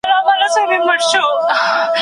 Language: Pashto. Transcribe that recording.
هغه ورځ به را ویښیږي چي د صور شپېلۍ ږغیږي